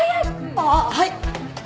ああはい！